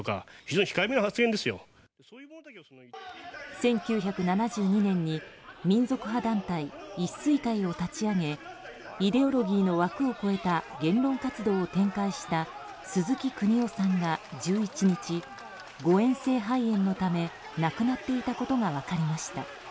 １９７２年に民族派団体一水会を立ち上げイデオロギーの枠を超えた言論活動を展開した鈴木邦男さんが１１日誤嚥性肺炎のため亡くなっていたことが分かりました。